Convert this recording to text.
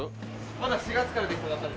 まだ４月からできたばっかりです。